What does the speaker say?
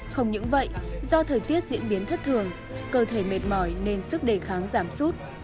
không những vậy do thời tiết diễn biến thất thường cơ thể mệt mỏi nên sức đề kháng giảm sút